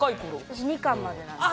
私２巻までなんですよ。